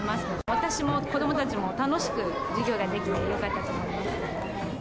私も子どもたちも楽しく授業ができてよかったと思います。